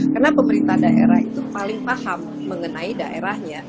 karena pemerintah daerah itu paling paham mengenai daerahnya